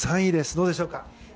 どうでしょうか。